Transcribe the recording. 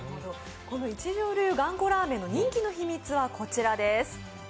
一条流がんこラーメンの人気の秘密はこちらです。